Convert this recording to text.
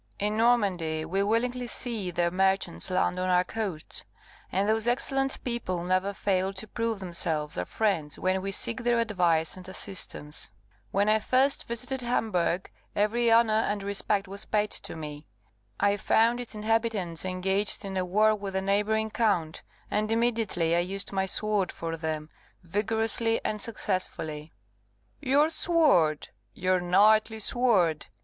In Normandy we willingly see their merchants land on our coasts, and those excellent people never fail to prove themselves our friends when we seek their advice and assistance. When I first visited Hamburgh, every honour and respect was paid to me. I found its inhabitants engaged in a war with a neighbouring count, and immediately I used my sword for them, vigorously and successfully." "Your sword! your knightly sword!"